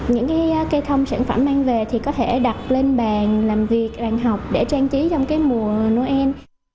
những cây thông sản phẩm mang về thì có thể đặt lên bàn làm việc bàn học để trang trí trong mùa noel